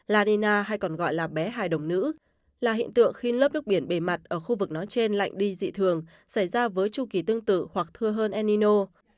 lanina hay còn gọi là bé hài đồng nữ là hiện tượng khi lớp nước biển bề mặt ở khu vực nó trên lạnh đi dị thường xảy ra với chu kỳ tương tự hoặc thưa hơn enino